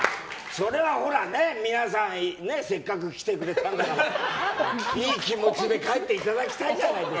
それはさ、皆さんせっかく来てくれたんだからいい気持ちで帰っていただきたいじゃないですか。